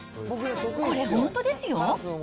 これ、本当ですよ。